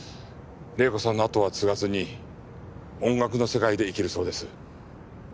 玲子さんの後は継がずに音楽の世界で生きるそうです。